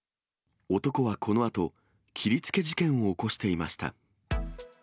男はこのあと、切りつけ事件を起こしていました。